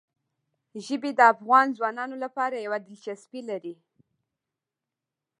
ژبې د افغان ځوانانو لپاره یوه دلچسپي لري.